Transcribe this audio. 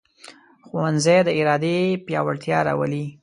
ښوونځی د ارادې پیاوړتیا راولي